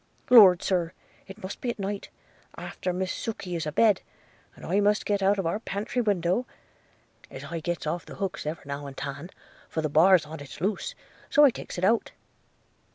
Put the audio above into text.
– Lord, Sir! it must be at night, after Miss Sukey is a bed; and I must get out of our pantry window, as I gets off the hooks ever now and tan – for the bar on't is loose, so I takes it out.'